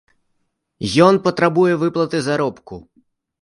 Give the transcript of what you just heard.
Ён патрабуе выплаты заробку.